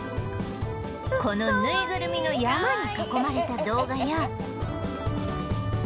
このぬいぐるみの山に囲まれた動画や